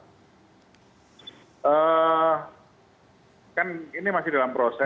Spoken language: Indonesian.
kan ini masih dalam proses